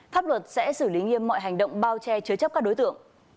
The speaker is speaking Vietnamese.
pháp luật sẽ xử lý nghiêm mọi hành động bao che chứa chấp các đối tượng